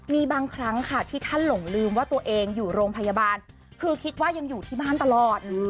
มีบางครั้งค่ะที่ท่านหลงลืมว่าตัวเองอยู่โรงพยาบาลคือคิดว่ายังอยู่ที่บ้านตลอด